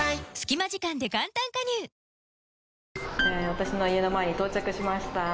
私の家の前に到着しました。